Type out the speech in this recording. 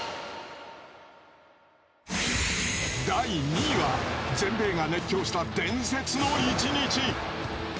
第２位は、全米が熱狂した伝説の１日。